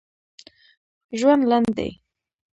ژوند لنډ دی